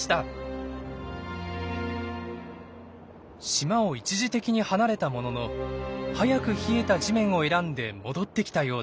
島を一時的に離れたものの早く冷えた地面を選んで戻ってきたようです。